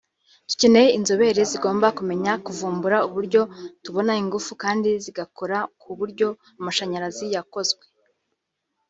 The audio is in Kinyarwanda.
dukeneye inzobere zigomba kumenya kuvumbura uburyo tubona ingufu kandi zigakora ku buryo amashanyarazi yakozwe